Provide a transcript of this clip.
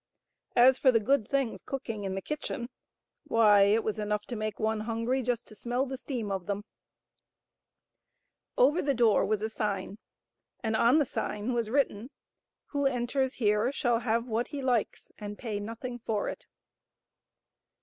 As for the good things cooking in the kitchen, why it was enough to make one hungry just to 108 THE WHITE BIRD. smell the steam of them. Over the door was a sign, and on the sign was written, "WHO ENTERS HERE SHALL HAVE WHAT HE LIKES AND PAY NOTHING FOR IT."